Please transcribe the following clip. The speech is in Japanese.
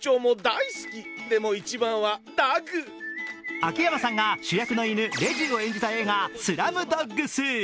秋山さんが主役の犬・レジーを演じた映画「スラムドッグス」。